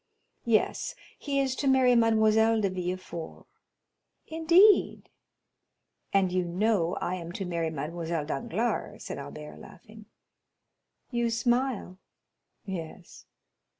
"Yes, he is to marry Mademoiselle de Villefort." "Indeed?" 30115m "And you know I am to marry Mademoiselle Danglars," said Albert, laughing. "You smile." "Yes."